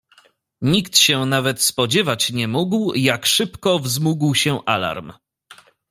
"Nikt się nawet spodziewać nie mógł, jak szybko wzmógł się alarm."